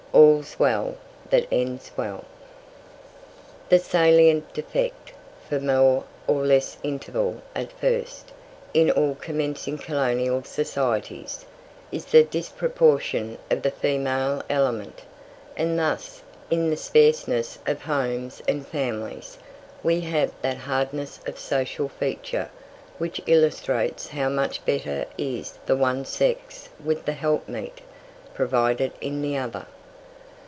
All's Well that Ends Well. The salient defect, for more or less interval at first, in all commencing colonial societies, is the disproportion of the female element; and thus, in the sparseness of homes and families, we have that hardness of social feature, which illustrates how much better is the one sex with the "helpmeet" provided in the other.